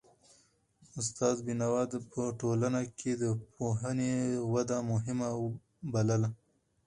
استاد بینوا په ټولنه کي د پوهنې وده مهمه بلله.